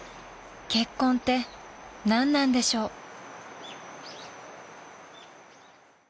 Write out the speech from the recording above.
結婚って何なんでしょう］